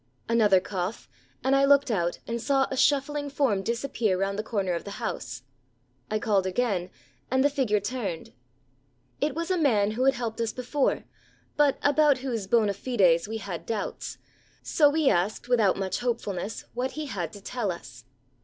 Another cough, and I looked out and saw a shuffling form disappear round the corner of the house. I called again, and the figure turned. It was a man who had helped us before, but about whose bonâ fides we had doubts; so we asked without much hopefulness what he had to tell us.